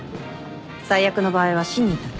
最悪の場合は死に至る。